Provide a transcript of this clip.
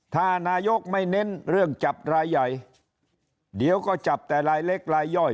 ถ้านายกไม่เน้นเรื่องจับรายใหญ่เดี๋ยวก็จับแต่รายเล็กรายย่อย